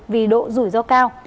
vì độ rủi ro cao